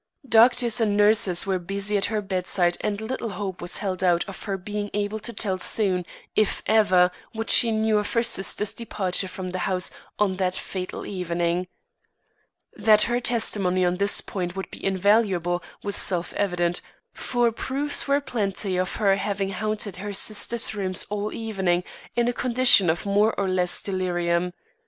Doctors and nurses were busy at her bedside and little hope was held out of her being able to tell soon, if ever, what she knew of her sister's departure from the house on that fatal evening. That her testimony on this point would be invaluable was self evident, for proofs were plenty of her having haunted her sister's rooms all the evening in a condition of more or less delirium.